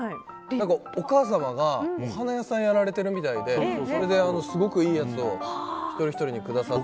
お母さまがお花屋さんをやられているみたいでそれで、すごくいいやつを一人一人にくださって。